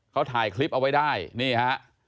เขาถ่ายคลิปเอาไว้ได้นี่ฮะ